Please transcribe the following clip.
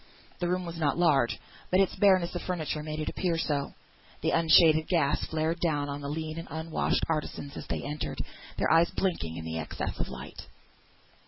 The room was not large, but its bareness of furniture made it appear so. Unshaded gas flared down upon the lean and unwashed artisans as they entered, their eyes blinking at the excess of light.